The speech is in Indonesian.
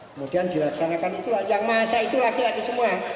kemudian dilaksanakan itu yang masa itu laki laki semua